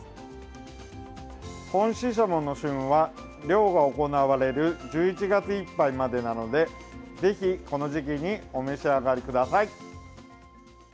本シシャモの旬は漁が行われる１１月いっぱいまでなのでぜひ、この時期にお召し上がりください。